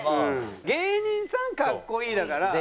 「芸人さん格好いい」だから。